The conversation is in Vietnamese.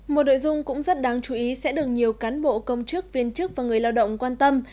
một nội dung cũng rất đáng chú ý sẽ được nhiều cán bộ công chức viên chức và người lao động quan tâm